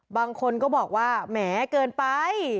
บางคนก็บอกว่าแหมเกินไป